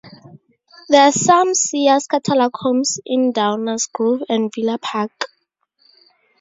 There are some Sears Catalog Homes in Downers Grove and Villa Park.